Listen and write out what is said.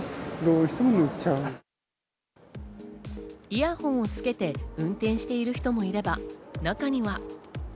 イヤホンをつけて運転している人もいれば、中には。